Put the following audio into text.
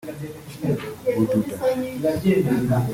Bududa